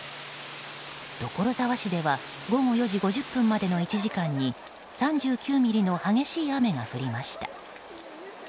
所沢市では午後４時５０分までの１時間に３９ミリの激しい雨が降りました。